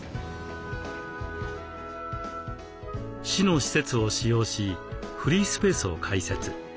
市の施設を使用しフリースペースを開設。